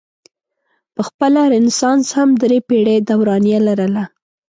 پخپله رنسانس هم درې پیړۍ دورانیه لرله.